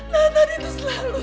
tante itu selalu